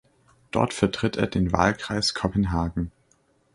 Dort vertritt er den Wahlkreis Kopenhagen.